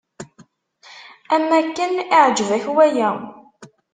Am akken iɛǧeb-ak waya.